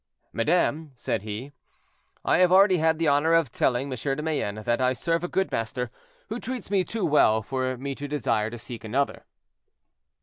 "Madame," said he, "I have already had the honor of telling M. de Mayenne that I serve a good master, who treats me too well for me to desire to seek another."